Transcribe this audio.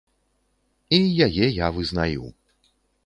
І яе я вызнаю.